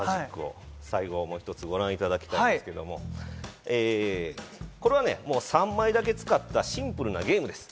最後にもう一つご覧いただきますけど、これはね、３枚だけ使ったシンプルなゲームです。